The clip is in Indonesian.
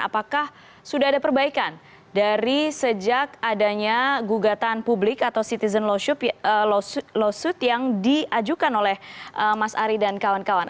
apakah sudah ada perbaikan dari sejak adanya gugatan publik atau citizen lawsuit yang diajukan oleh mas ari dan kawan kawan